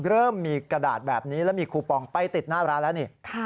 เริ่มมีกระดาษแบบนี้แล้วมีคูปองไปติดหน้าร้านแล้วนี่